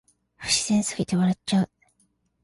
不自然すぎて笑っちゃう